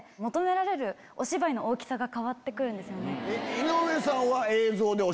井上さんは。